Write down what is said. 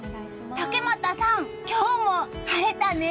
竹俣さん、今日も晴れたね。